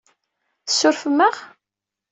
Tsurfem-aɣ?